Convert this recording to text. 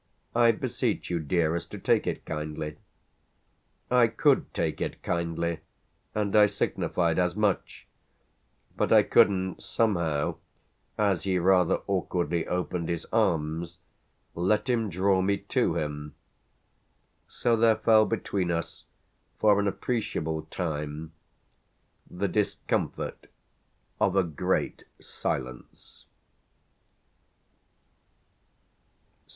"I beseech you, dearest, to take it kindly." I could take it kindly, and I signified as much; but I couldn't somehow, as he rather awkwardly opened his arms, let him draw me to him. So there fell between us for an appreciable time the discomfort of a great silence.